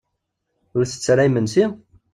Ur ttett ara imensi?